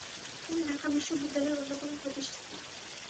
তিনি ঢাকা বিশ্ববিদ্যালয়ের অন্যতম প্রতিষ্ঠাতা।